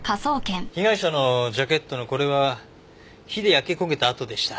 被害者のジャケットのこれは火で焼け焦げた跡でした。